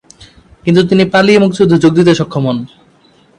কিন্তু তিনি পালিয়ে মুক্তিযুদ্ধে যোগ দিতে সক্ষম হন।